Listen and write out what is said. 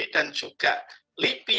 dan juga lipi